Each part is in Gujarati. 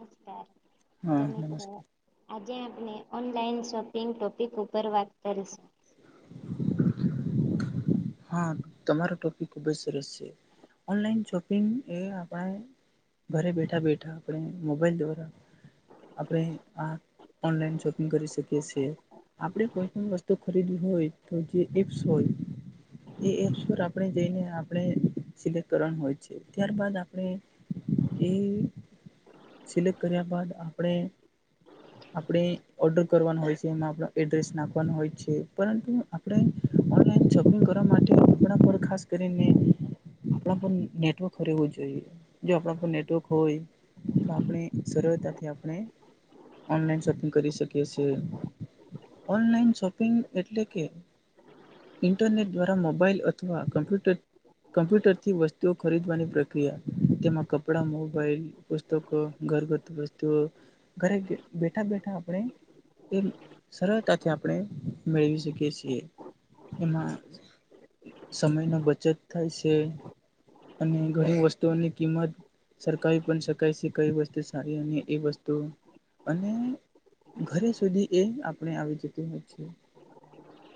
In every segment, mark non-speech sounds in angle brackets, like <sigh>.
નમસ્કાર તો હા મિત્રો નમસ્કાર આજે આપણે ઓનલાઈન શોપિંગ ટોપિક ઉપર વાત કરીશ <unintelligible> હા તમારો ટોપિક ખુબજ સરસ છે, ઓનલાઈ શોપિંગ એ આપણા ઘરે બેઠા બેઠા આપણે મોબાઈલ દ્વારા આપણે આ ઓનલાઈન શોપિંગ કરી શકીએ છે. આપણે કોઈ પણ વસ્તુ ખરીદવી હોય તો જે એપ્સ હોય એ એપ્સ પર આપણે જઈને આપણે સિલેક્ટ કરવાનું હોય છે. ત્યારબાદ આપણે એ સિલેક્ટ કર્યા બાદ આપણે <unintelligible> આપણે ઓર્ડર કરવાનુ હોય છે, એમાં આપણ એડ્રેસ નાખવાનુ હોય છે, પરંતુ આપડે ઓનલાઈન શોપિંગ કરવા માટે આપડા પર ખાસ કરીને આપણા પર નેટવર્ક રહેવું જોઈએ જો આપણા પર નેટવર્ક હોય તો આપણે સરળતાથી આપણે ઓનલાઈન શોપિંગ કરી શકીએ છે. ઓનલાઈન શોપિંગ એટલે કે ઇન્ટરનેટ દ્વારા મોબાઈલ અથવા કમ્પ્યુટર કમ્પ્યુટરથી વસ્તુઓ ખરીદવાની પ્રક્રિયા તેમાં કપડા મોબાઈલ પુસ્તકો ઘર ઘર વસ્તુઓ ઘરે બેઠા બેઠા આપણે એ સરળતાથી આપણે મેળવી શકીએ છીએ એમાં સમયનો બચત થાય છે. અને ઘણી વસ્તુઓની કિંમત સરખાવી પણ શકાય છે, કઈ વસ્તુ સારી અને એ વસ્તુ અને ઘરે સુધી એ આપણે આવી જતી હોય છે,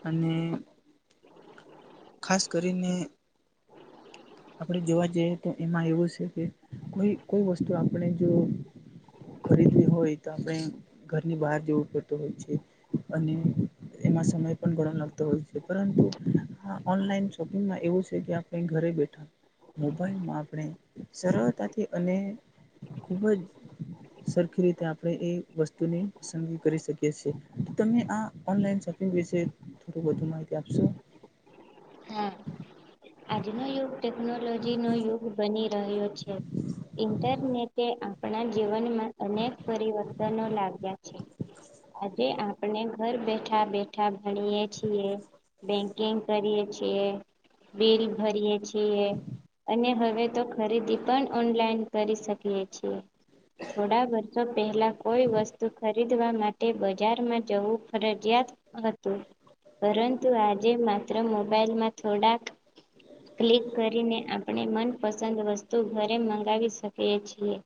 અને ખાસ કરીને હ આપણે જોવા જઈએ તો એમાં એવું છે, કે કોઈ કોઈ વસ્તુ આપણે જો ખરીદવી હોય તો આપણે ઘરની બહાર જવું પડતું હોય છે. અને એમાં સમય પણ ઘણો લાગતો હોય છે, પરંતુ હા ઓનલાઈન શોપિંગમાં એવું છે, કે આપણે ઘરે બેઠા મોબાઈલમાં આપણે સરળતાથી અને ખૂબ જ સરખી રીતે આપણે એ વસ્તુની પસંદગી કરી શકી છે, તો તમે આનલાઈન સો પીગ વિશે થોડું વધુ માહિતી આપશો? હા આજનો યુગ ટેકનોલોજીનો યુગ બની રહ્યો છે. ઇન્ટરનેટે આપણા જીવનમાં અનેક પરિવર્તનો લાગ્યા છે. આજે આપણે ઘર બેઠા બે ઠા ભણીએ છીએ બેંકિંગ કરીએ છીએ બિલ ભરીએ છીએ અને હવે તો ખરીદી પણ ઓનલાઈન કરી શકીએ છીએ થોડા વર્ષો પહેલા કોઈ વસ્તુ ખ રીદવા માટે બજારમાં જવું ફરજિયાત હતું પરંતુ આજે માત્ર મોબાઈલમાં થોડાક ક્લિક કરીને આપણે મનપસંદ વસ્તુ ઘરે મંગાવી શકીએ છીએ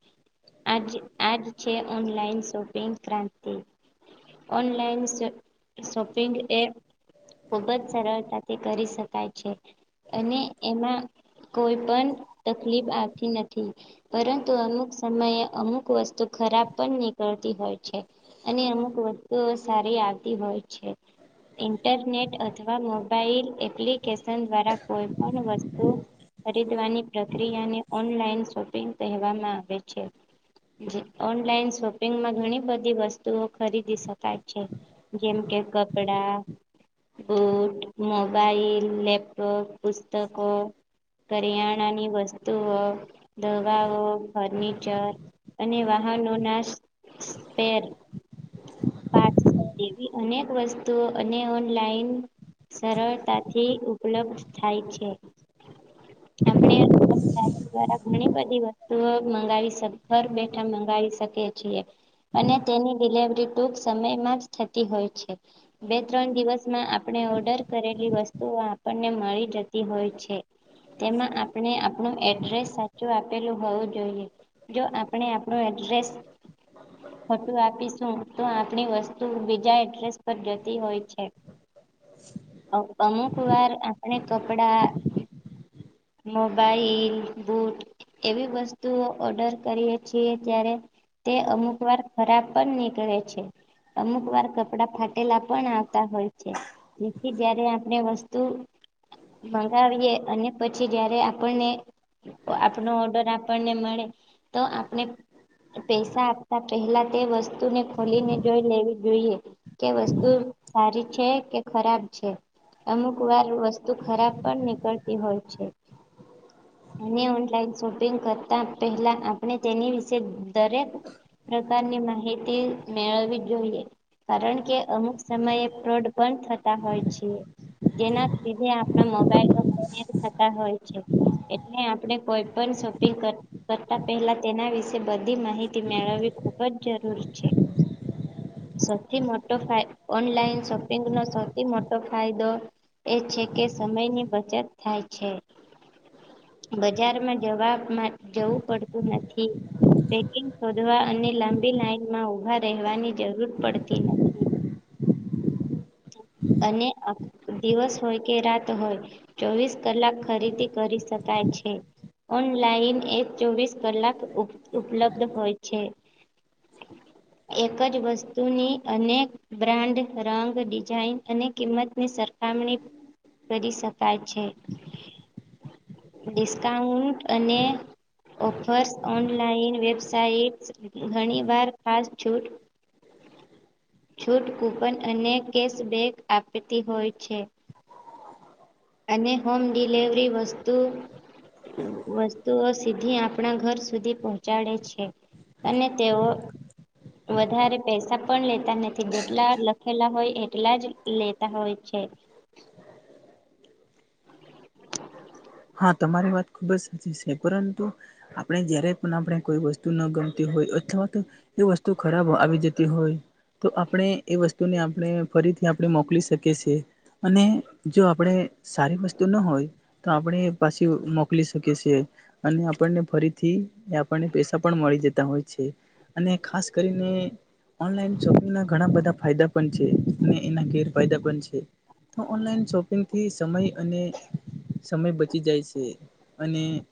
આજ આજ છે, ઓનલાઈન શોપિંગ ક્રાંતિ ઓનલાઇન શ શોપિંગ એ ખુબ જ સરળતાથી કરી શકાય છે, અને એમાં કોઈ પણ તકલીફ આવતી નથી. પરંતુ અમુક સમયે અમુક વસ્તુ ખરાબ પણ નીકળતી હોય છે, અને અમુક વસ્તુઓ સારી આવતી હોય છે, ઇન્ટરનેટ અથવા મોબાઈલ એપ્લિકેશન દ્વારા કોઈ પણ વસ્તુ ખરીદવાની પ્રક્રિયાને ઓનલાઈન શોપિંગ કહેવામાં આવે છે. ઓનલાઈન શોપિંગમાં ઘણી બધી વસ્તુઓ ખરીદી શકાય છે. જેમ કે કપડા, બુટ, મોબાઈલ, લેપટોપ પુસ્તકો કરિયાણાની વસ્તુઓ, દવાઓ, ફર્નિચર અને વાહનોના સ્પેર પાટસ જેવી અનેક વસ્તુઓ અને ઓનલાઈન સરળતાથી ઉપલબ્ધ થાય છે. આપણે ઓનલાઈન દ્વારા ઘણી બધી વસ્તુઓ મંગાવી શ ઘર બેઠા મંગાવી શકીએ. છીએ અને તેની ડિલવરી ટૂંક સમયમાં જ થતી હોય છે. બે ત્રણ દિવસમાં આપણે ઓર્ડર કરેલી વસ્તુઓ આપણને મળી તી હોય છે, તેમાં આપણે આપણ એડ્રેસ સા ચો આપેલું હોવું જોઈએ જો આપણે આપણ એડ્રેસ ખોટુ આપીશું તો આપણી વસ્તુ બીજા એડ્રેસ પર જતી હોય છે. અ અમુક વાર આપણે કપડા મોબાઈલ બુટ- એવી વસ્તુઓ ઓર્ડર કરીએ છીએ ત્યારે- તે અમુક વાર ખરાબ પણ નીકળે છે. અમુક વાર કપડા ફાટેલા પણ આવતા હોય છે. જેથી જયારે આપણે વસ્તુ- મંગાવીએ અને પછી જયારે આપણને- આપનો ઓર્ડર આપણને મળે તો આપણે- પૈસા આપતા પહેલા તે વસ્તુને ખોલીને જોઈ લેવી જોઈએ- કે વસ્તુ સારી છે કે ખરાબ છે અમુક વારત- ખરાબ પણ નીકળતી હોય છે. અને ઓનલાઈન શોપિંગ કરતા પહેલા આપણે તેની વિશે દરેક- પ્રકારની માહિતી મેળવી જ જોઈએ- કારણ કે અમુક સમયે પ્રો પણંધ થતા હોય છે જેના- લીધે આપણા મોબાઈલો હેંગ થતા હોય છે. એટલે આપણે કોઈ પણ શોપિંગ કર- કરતા પહેલા તેના વિશે બધી માહિતી મેળવવી ખૂબ જ જરૂરી છે. સૌથી મોટો ઓનલાઈન શોપિંગ ન સૌથી મોટો ફાયદો- એ છે કે સમયની બચત થાય છે. બજારમાં જવા જવું પડતું નથી. પેકિંગ શોધવા અને લાંબી લાઈનમાં ઊભા રહેવાની જરૂર પડતી નથી. અને- દિવસ હોય કે રાત હોય ચોવીસ કલાક ખરીદી કરી શકાય છે. ઓનલાઈન એ ચોવીસ કલાક ઉપલબ્ધ હોય છે. <inaudible> એક જ વસ્તુની અનેક બ્રાન્ડ રંગ ડિઝાઇન અને કિંમતની સર- <unintelligible> કરી શકાય છે. ડિસ્કાઉન્ટ અને- ઓફર્સ ઓનલાઈન વેબસાઇટ્સ ઘણી વાર ખાસ છૂટ- છૂટ કૂપન અને કેશબેક આપતી હોય- અને હોમ ડિલવરી વસ્તુ- વસ્તુઓ સીધી આપણા ઘર સુધી પહોંચાડે છે. અનેન તેઓ- વધારે પૈસા પણ લેતા નથી જેટલા લખેલા હોય એટલા જ લેતા હોય- છે. હા તમારી વાત ખુબ જ સાચી છે પરંતુ- આપણે જય્યારે પણ આપણે કોઈ વસ્તુ ન ગમતી હોય અથવા તો- વસ્તુ ખરાબ આવી જતી હોય- તો આપણે એ વસ્તુને આપણે ફરીથી આપણે મોકલી શકીએ છીએ- અને જો આપણે સારી વસ્તુ ન હોય- તો આપણે પાછી મોકલી શકીએ છીએ- અને આપણને ફરીથી આપણને પૈસા પણ મળી જતા હોય છે. અને ખાસ કરીને- ઓનલાન શોપિંગ ના ઘણા બધા ફાયદા પણ છે અને એના ગેરફાયદા પણ છે. તો ઓનલાઈન શોપિંગથી સમય અને- સમય બચી જાય છે અને-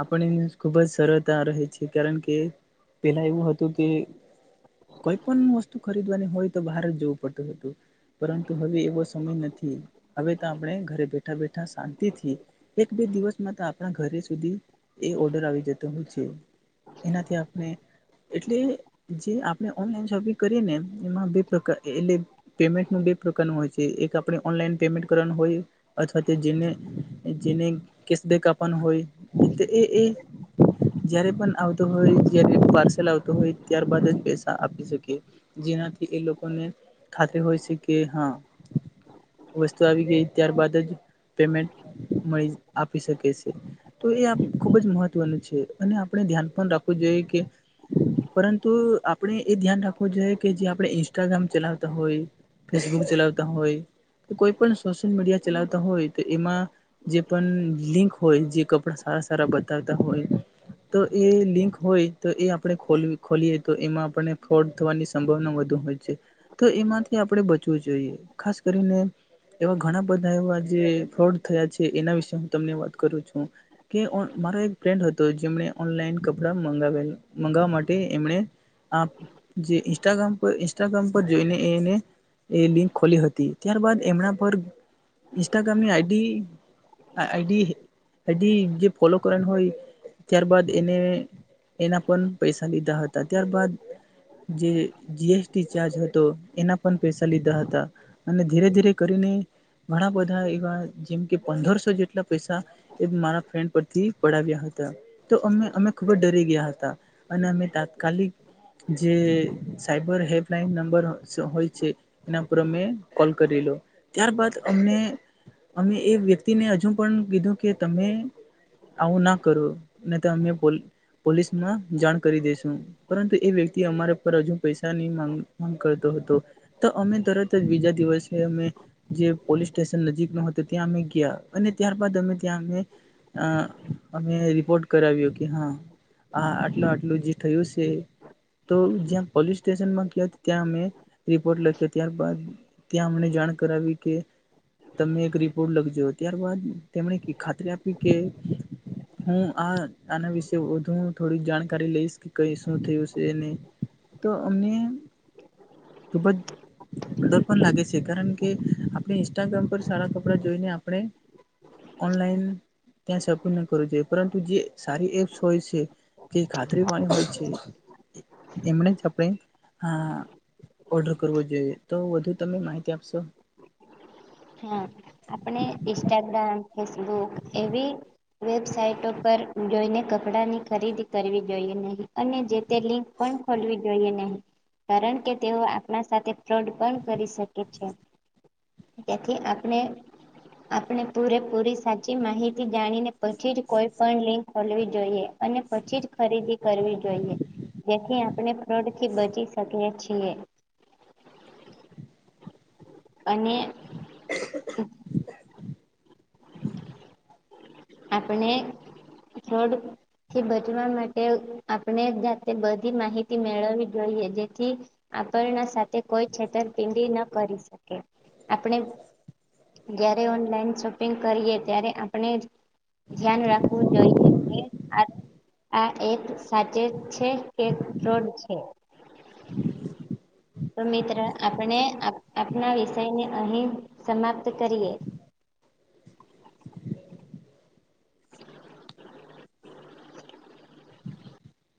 આપણ્ય ખુબ જ સરળતા રહે છે કારણ કે પેલા એવું હતું કે- કોઈ પણ વસ્તુ ખરીદવાની હોય તો બહાર જવું પડતું હતું- પરંતુ હવે એવો સમય નથી હવે તો આપણે ઘરે બેઠા બેઠા શાંત- થી એક બે દિવસમાં તો આપણા ઘરે સુધી એ ઓર્ડર આવી જતો હો છે. એનાથી આપણે- એટલે જે આપણે ઓનલાઈન શોપિંગ કરીએ ને એમાં બે પ્રકાર <unintelligible> પેમેન્ટ ન બે પ્રકારનું હોય છે એક આપણે ઓનલાઈન પેમેન્ટ કરવાનું હોય અથવા તો જેને જિ કસદ કપન હોય તે એ એ જારે પણ આવતો હોય જ્યારે પાર્સલ આવતો હોય ત્યાર બાદ જ પૈસા આપી શકે જેનાથી એ લોકોને ખાતરી હોય છે કે હા વસ્તુ આવી ગઈ ત્યારબાદ જ પેમેન્ટ મળી આપી શકે છે તો એ ખુબ જ મહત્વનું છે અને આપણે ધ્યાન પણ રાખવું જોઈએ કે પરંતુ આપણે એ ધ્યાન રાખવું જોઈએ કે જે આપણે ઇન્સ્ટાગ્રામ ચલાવતા હોય ફેસબુક ચલાવતા હોય કે કોઈ પણ સોશિયલ મીડિયા ચલાવતા હોય એમાં જે પણ લિંક હોય જે કપડા સારા સારા બતાવતા હોય તો એ લિંક હોય તો એ આપણે ખોલ ખોલીએ તો એમાં આપણે ફ્રોડ થવાની સંભાવના વધુ હોય છે તો એમાંથી આપણે બચવું જોઈએ ખાસ કરીને એવા ઘણા બધા એવા જે ફોડ થયા છે એના વિશે હું તમને વાત કરું છું કે મારો એક ફ્રેન્ડ હતો જેમને ઓનલાઈન કપડા મગાવેલા મંગાવવા માટે એમણે આપ જે ઇન્સ્ટાગ્રામ પર ઇન્સ્ટાગ્રામ પર જોઈને એને એ લિંક ખોલી હતી ત્યારબાદ એમના પર ઇન્સ્ટાગ્રામની આઈડી આઈડી આઈડી જે ફોલો કર હોય ત્યારબાદ એને એના પણ પૈસા લીધા હતા ત્યારબાદ જે જીએસટી ચાર્જ હતો એના પણ પૈસા લીધા હતા અને ધીરે ધીરે કરીને ઘણા બધા એવા જેમ કે પંદરસો જેટલા પૈસા એ મારા ફેન્ડ પરથી પડાવ્યા હતા તો અમે અમે ખૂબ જ ડરી ગયા હતા અને અમે તાત્કાલિક જે સાયબર હેલ્પલાઈન નંબર હોય છે એના પર અમે કોલ કરી લો ત્યારબાદ અમને અમે એ વ્યક્તિને હજુ પણ કીધું કે તમે આવું ના કરું ને તો અમે પોલીસમાં જાણ કરી દેસુ પરંતુ એ વ્યક્તિ અમારા પર હજુ પૈસા નનીગ માંગ કરતો હતો તો અમે તરત જ બીજા દિવસે અમે જે પોલીસ સ્ટેશન નજીક ન ત્યાં અમે ગયા અને ત્યારબાદ અમે ત્યાં અમે અ અમે રિપોર્ટ કરાવ્યો કે હા હા આટલું આટલું જે થયું છે તો જ્યાં પોલીસ સ્ટેશનમાં ગયા ત્યાં અમે રિપોર્ટ લખ્યો ત્યારબાદ ત્યાં અમને જાણ કરાવી કે તમે એક ર રોડ લગજ્યો ત્યારબાદ તેમણે ખાતરી આપી કે હું આ આના વિશે વધુ થોડીક જાણકારી લઈશ કે કઈ શું થયું છેને તો અમને ખુબ જ ડર પણ લાગે છે કારણ કે આપણે ઇન્સ્ટાગ્રામ પર સારા કપ જોઈને આપણે ઓનલાઈન ત્યાં સપ કરવું જોઈએ પરંતુ જે સારી એપ્સ હોય છે કે ખાતરી પાની હોય છે એમને જ આપણે આ ઓર્ડર કરવો જોઈએ તો વધુ તમે માહિતી આપશો હા આપણે ઇન્સ્ટાગ્રામ ફેસબુક એવી વેબસાઇટ પર જોઈને કપડાં ની ખરીદી કરવી જોઈએ નહીં અને જે તે લિંક પણ ખોલવી જોઈએ નહી કારણ કે તેઓ આપણા સાથે ફ્રોડ પણ કરી શકે છે ત્યાથી આપણે આપણે પૂરેપૂરી સાચી માહિતી જાણીને પછી જ કોઈ પણ લિંક ખોલવી જોઈએ અને પછી જ ખરીદી કરવી જોઈએ જેથી આપણે ફ્રોડ થી બચી શકીએ છીએ અને <inaudible> આપણે થોડ <unintelligible> થી બચવા માટે આપણે જાતે બધી માહિતી મેળવવી જોઈએ જેથી આપણણા સાથે કોઈ છેતરપિંડી ન કરી શકે આપણે જયારે ઓનલાઈન શોપિંગ કરીએ ત્યારે આપણે ધ્યાન રાખવું જોઈએ આ આ એક સાચે છે કે ફ્રોડ છે? <inaudible> તો મિત્ર આપણે આપના વિષયને અહી સમાપ્ત કરીએ.